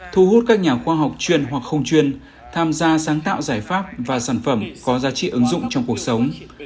thu hút các nhà khoa học chuyên hoặc không chuyên tham gia sáng tạo giải pháp và sản phẩm có giá trị ứng dụng trong cuộc sống